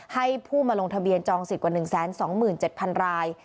ให้ผู้มาลงทะเบียนจองสิทธิ์กว่า๑๒๗๐๐ราย